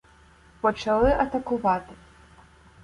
Почали атакувати.